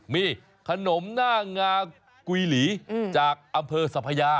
มีขนมหน้างากุยหลีจากอำเภอสัพยา